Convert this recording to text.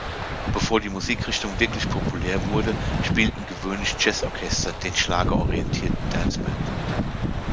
Bevor die Musikrichtung wirklich populär wurde, spielten gewöhnlich Jazzorchester den "Schlager"-orientierten Dansband.